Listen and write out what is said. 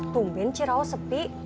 tunggeng ciraus sepi